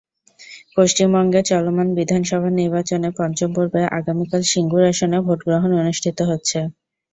পশ্চিমবঙ্গে চলমান বিধানসভার নির্বাচনে পঞ্চম পর্বে আগামীকাল সিঙ্গুর আসনে ভোট গ্রহণ অনুষ্ঠিত হচ্ছে।